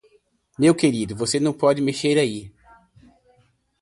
Meu querido, você não pode mexer aí.